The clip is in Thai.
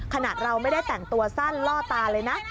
ขนาดเราไม่ได้แต่งตัวสั้นล่อตาเลยนะ